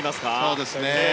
そうですね。